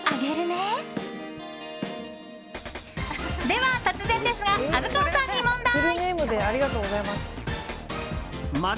では、突然ですが虻川さんに問題。